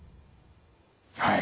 はい。